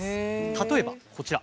例えばこちら。